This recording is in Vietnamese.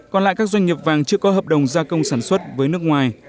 còn lại các doanh nghiệp vàng chưa có hợp đồng gia công sản xuất với nước ngoài